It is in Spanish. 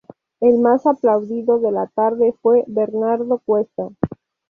El más aplaudido de la tarde fue Bernardo Cuesta.